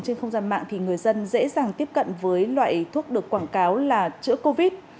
trên không gian mạng thì người dân dễ dàng tiếp cận với loại thuốc được quảng cáo là chữa covid